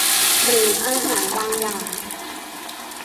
หรืออาหารบางอย่าง